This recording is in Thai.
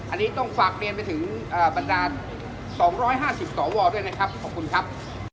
อันนี้ต้องฝากเรียนไปถึงบรรดาล๒๕๐สวด้วยนะครับขอบคุณครับ